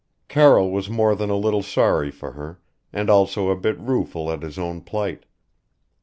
Carroll was more than a little sorry for her, and also a bit rueful at his own plight.